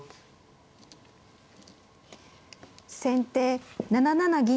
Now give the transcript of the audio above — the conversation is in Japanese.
先手７七銀。